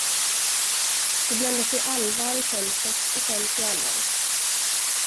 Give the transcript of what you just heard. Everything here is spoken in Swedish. Det blandar sig allvar i skämtet och skämt i allvaret.